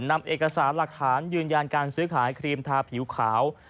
นำเอกสารหลักฐานยืนยันการซื้อขายครีมทาผิวขาว